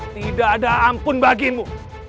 tidak ada ampun bagimu